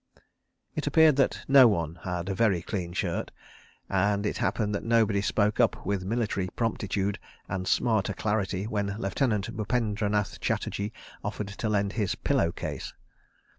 It appeared that no one had a very clean shirt, and it happened that nobody spoke up with military promptitude and smart alacrity when Lieutenant Bupendranath Chatterji offered to lend his pillow case.